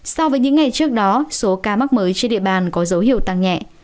so với những ngày trước đó số ca mắc mới trên địa bàn có dấu hiệu tăng nhẹ